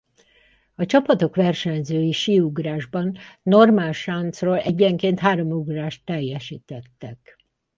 A csapatok versenyzői síugrásban normálsáncról egyenként három ugrást teljesítettek.